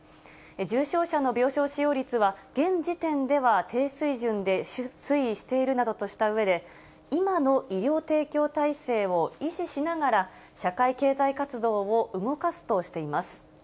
重症者の病床使用率は現時点では低水準で推移しているなどとしたうえで、今の医療提供体制を維持しながら、社会経済活動を動かすとしています。